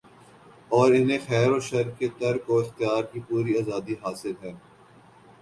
اور انھیں خیروشر کے ترک و اختیار کی پوری آزادی حاصل ہے